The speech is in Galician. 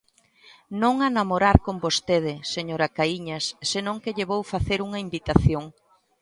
Non a namorar con vostede, señora Caíñas, senón que lle vou facer unha invitación.